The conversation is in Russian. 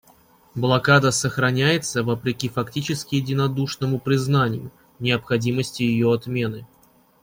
Блокада сохраняется вопреки фактически единодушному признанию необходимости ее отмены.